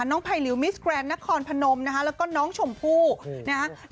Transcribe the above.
ไพรลิวมิสแกรนดนครพนมนะคะแล้วก็น้องชมพู่นะฮะ